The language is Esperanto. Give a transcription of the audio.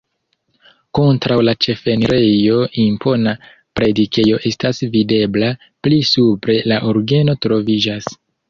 Kontraŭ la ĉefenirejo impona predikejo estas videbla, pli supre la orgeno troviĝas.